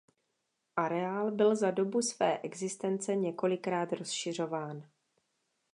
Areál byl za dobu své existence několikrát rozšiřován.